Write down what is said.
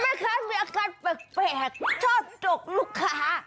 แม่ค้ามีอาการแปลกชอบจกลูกค้า